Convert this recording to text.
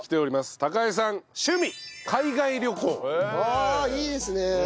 ああいいですね。